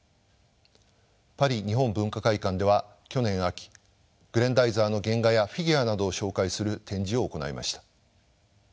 パリ日本文化会館では去年秋「グレンダイザー」の原画やフィギュアなどを紹介する展示を行いました。